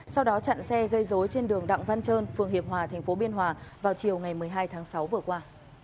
sau đó chặn xe gây dối trên đường đặng văn trơn phường hiệp hòa tp biên hòa vào chiều ngày một mươi hai tháng sáu vừa qua